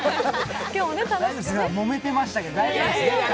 もめてましたけど大丈夫でした？